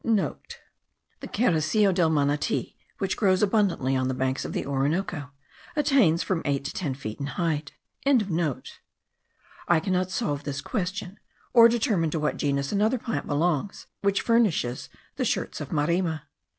(* The caricillo del manati, which grows abundantly on the banks of the Orinoco, attains from eight to ten feet in height.) I cannot solve this question, or determine to what genus another plant belongs, which furnishes the shirts of marima.